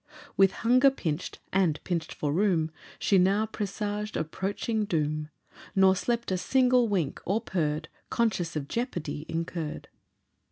With hunger pinch'd, and pinch'd for room, She now presaged approaching doom, Nor slept a single wink, or purr'd, Conscious of jeopardy incurr'd.